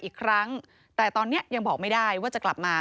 พี่ลองคิดดูสิที่พี่ไปลงกันที่ทุกคนพูด